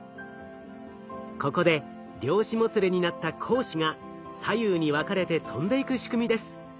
ここで量子もつれになった光子が左右に分かれて飛んでいく仕組みです。